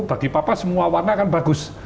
bagi papa semua warna akan bagus